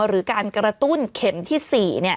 หรือการกระตุ้นเข็มที่๔